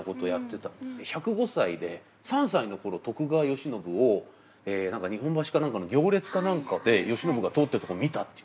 １０５歳で３歳の頃徳川慶喜を日本橋かなんかの行列かなんかで慶喜が通ってるとこを見たっていう。